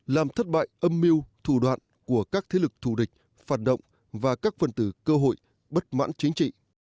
làm thất bại âm mưu thủ đoạn của các thế lực thù địch phản động và các phần tử cơ hội bất mãn chính trị